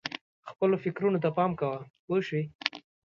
خپلو فکرونو ته پام کوه پوه شوې!.